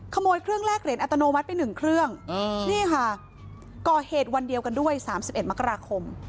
ขโมยเครื่องแรกเหรียญอัตโนมัติไป๑เครื่องนี่ค่ะก่อเหตุวันเดียวกันด้วย๓๑มกราคม